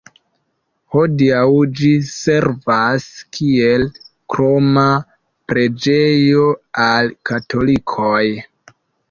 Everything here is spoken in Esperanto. Hodiaŭ ĝi servas kiel kroma preĝejo al katolikoj.